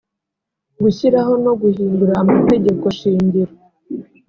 gushyiraho no guhindura amategeko shingiro